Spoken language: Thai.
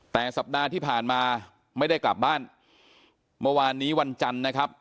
แต่สัปดาห์ที่ผ่านมาไม่ได้กลับบ้านเมื่อวานนี้วันจันทร์นะครับ